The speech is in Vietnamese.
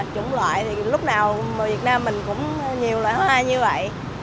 chủng loại thì lúc nào người việt nam mình cũng nhiều loại hoa như vậy